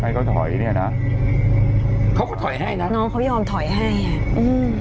เขาถอยเนี้ยนะเขาก็ถอยให้นะน้องเขาไม่ยอมถอยให้อ่ะอืม